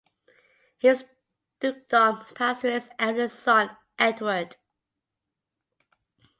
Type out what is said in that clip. His dukedom passed to his eldest son, Edward.